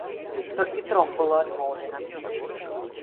Толькі тром было адмоўлена!